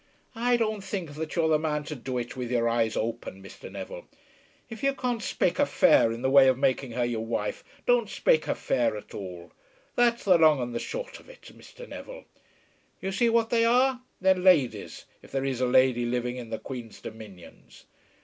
"I don't think that you're the man to do it with your eyes open, Mr. Neville. If you can't spake her fair in the way of making her your wife, don't spake her fair at all. That's the long and the short of it, Mr. Neville. You see what they are. They're ladies, if there is a lady living in the Queen's dominions.